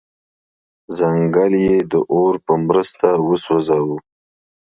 ځنګل یې د اور په مرسته وسوځاوه.